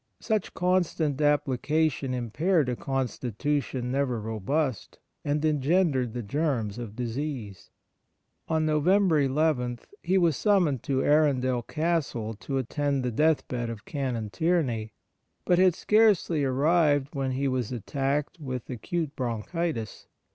Such constant application impaired a constitution never robust, and engendered the germs of disease. On November ii he was summoned to Arundel Castle to attend the death bed of Canon Tierney, but had scarcely arrived when he was attacked with acute bron chitis.